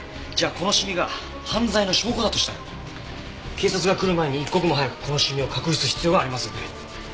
じゃあこのシミが犯罪の証拠だとしたら警察が来る前に一刻も早くこのシミを隠す必要がありますよね。